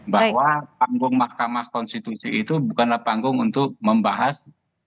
bahwa panggung mahkamah konstitusi itu bukanlah panggung untuk membahas